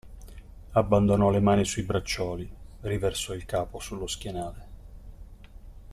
Abbandonò le mani sui braccioli, riversò il capo sullo schienale.